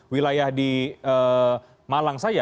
wilayah di malang saja